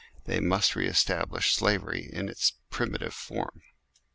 they must re establish slavery in its primitive form.